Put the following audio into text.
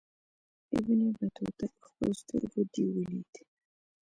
ابن بطوطه پخپلو سترګو دېو ولید.